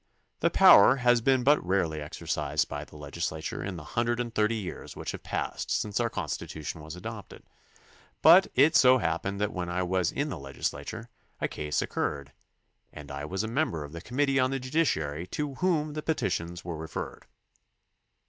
The power has been but rarely exercised by the legislature in the hundred and thirty years which have passed since our constitution was adopted, but it so happened that when I was in the legislature a case occmTed, and I was a member of the committee on the judiciary to whom the petitions were referred.